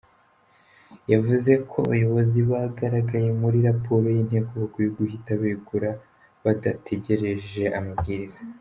Yavuze ko abayobozi bagaragaye muri raporo y’Inteko bakwiye guhita begura badategereje amabwiriza.